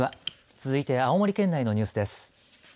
続いて青森県内のニュースです。